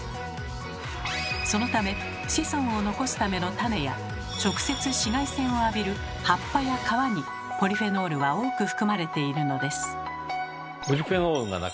そのため子孫を残すための種や直接紫外線を浴びる葉っぱや皮にポリフェノールは多く含まれているのです。